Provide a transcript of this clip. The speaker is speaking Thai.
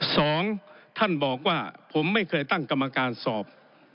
สองท่านบอกว่าผมไม่เคยตั้งกรรมการสอบ